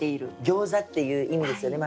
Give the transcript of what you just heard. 「餃子」っていう意味ですよね。